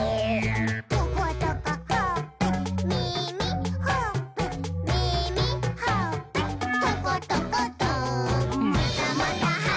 「トコトコほっぺ」「みみ」「ほっぺ」「みみ」「ほっぺ」「トコトコト」「またまたはぐき！はぐき！はぐき！